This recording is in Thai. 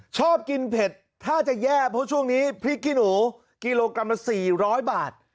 ชอบกินเผ็ดถ้าจะแย่เพราะช่วงนี้พริกขี้หนูกิโลกรัมละ๔๐๐บาท